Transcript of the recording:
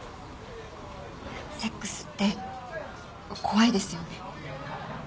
セックスって怖いですよね。